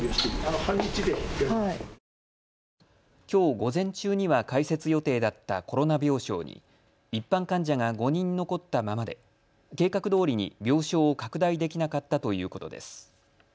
きょう午前中には開設予定だったコロナ病床に一般患者が５人残ったままで計画どおりに病床を拡大できなかったということです。